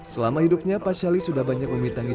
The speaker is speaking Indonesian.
selama hidupnya pak shaly sudah banyak memintangi